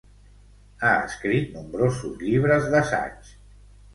Ha escrit nombrosos llibres d'assaig.